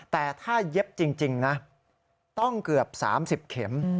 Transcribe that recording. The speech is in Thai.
แต่ถ้าเย็บจริงนะต้องเกือบ๓๐เข็ม